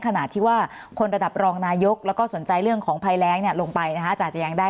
ขนาดที่ว่าคนระดับรองนายกแล้วก็สนใจเรื่องของภัยแรงลงไปนะคะอาจจะยังได้